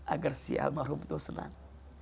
agar si almarhum itu senang